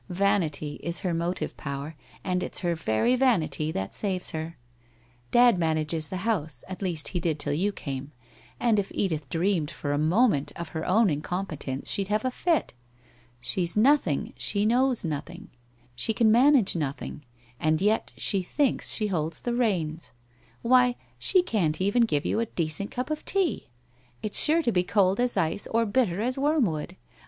Vanity is her motive power, and it's her very vanity that saves her. Dad manages the house, at least, he did till \'ou came, and if Edith dreamed for a moment of her own incompetence she'd have a fit. She's nothing, she knows nothing, she can manage nothing, and yet she thinks she holds the reins. Why, she can't even give you a decent cup of tea; it's sure to be cold as ice or hitter as worm wood.